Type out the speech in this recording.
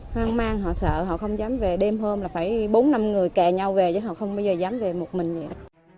hoang mang họ sợ họ không dám về đêm hôm là phải bốn năm người kè nhau về chứ họ không bao giờ dám về một mình vậy